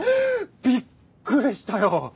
びっくりしたよ。